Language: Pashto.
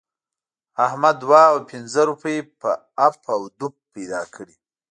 احمد دوه او پينځه روپۍ په اپ و دوپ پیدا کړې.